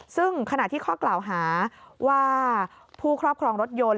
ซึ่งขณะที่ข้อกล่าวหาว่าผู้ครอบครองรถยนต์